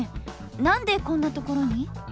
何でこんなところに！？